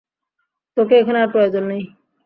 তোকে এখানে আর প্রয়োজন নেই।